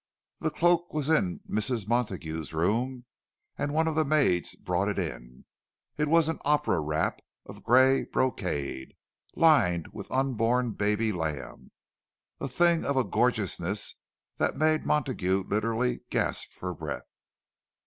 The cloak was in Mrs. Montague's room, and one of the maids brought it in. It was an opera wrap of grey brocade, lined with unborn baby lamb—a thing of a gorgeousness that made Montague literally gasp for breath.